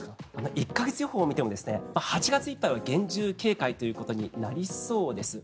１か月予報を見ても８月いっぱいは厳重警戒ということになりそうです。